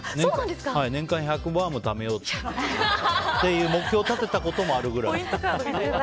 年間１００バーム食べようって目標を立てたこともあるくらい。